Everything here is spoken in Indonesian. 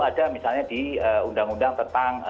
ada misalnya di undang undang tentang